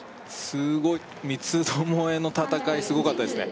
すごい三つどもえの戦いすごかったですね